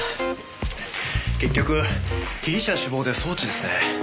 結局被疑者死亡で送致ですね。